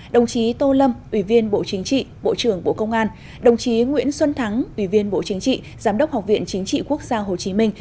đồng chí tô lâm ủy viên bộ chính trị bộ trưởng bộ công an đồng chí nguyễn xuân thắng ủy viên bộ chính trị giám đốc học viện chính trị quốc gia hồ chí minh